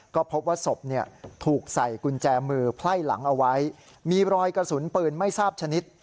ก็พบว่าศพถูกใส่กุญแจมือไพ่หลังเอาไว้มีรอยกระสุนปืนไม่ทราบชนิด